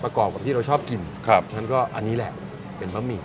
กรอบกับที่เราชอบกินครับฉะนั้นก็อันนี้แหละเป็นบะหมี่